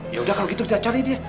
yaudah kalau gitu kita cari dia